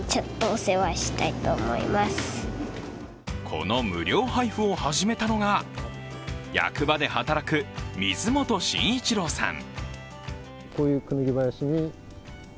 この無料配布を始めたのが役場で働く水元慎一郎さん。